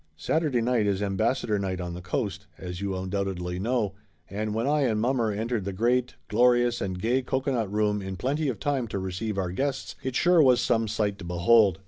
Saturday night is Ambassador night on the Coast, as you undoubtedly know, and when I and mommer en tered the great, glorious and gay cocoanut room in Laughter Limited 231 plenty of time to receive our guests, it sure was some sight to behold.